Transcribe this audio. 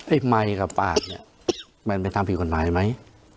ไอ้ไมค์กับปากมันไปทำผิดคนไมค์ไหม